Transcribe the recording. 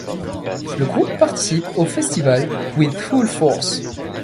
Le groupe participe au festival With Full Force.